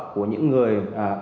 của những người